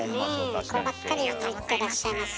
こればっかり言ってらっしゃいます。